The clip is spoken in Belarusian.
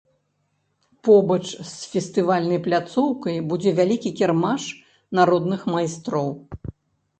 Побач з фестывальнай пляцоўкай будзе вялікі кірмаш народных майстроў.